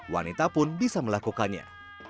wanita pun bisa melakukannya